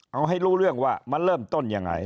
เอาให้รู้เรื่องว่ามันเริ่มต้นยังไง